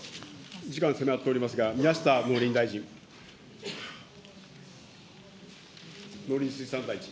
時間迫っておりますが、宮下農林水産大臣。